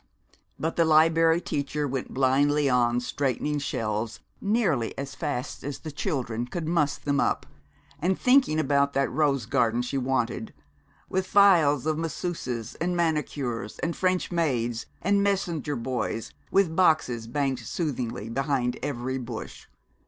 But the Liberry Teacher went blindly on straightening shelves nearly as fast as the children could muss them up, and thinking about that rose garden she wanted, with files of masseuses and manicures and French maids and messenger boys with boxes banked soothingly behind every bush.